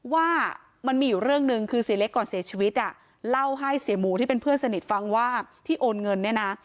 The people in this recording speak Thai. ว่ามันมีอยู่เรื่องหนึ่งคือเสียเล็กก่อนเสียชีวิตอ่ะเล่าให้เสียหมูที่เป็นเพื่อนสนิทฟังว่าที่โอนเงินเนี่ยนะ